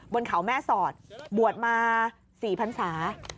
บนเขาแม่สอดบวชมา๔พันศา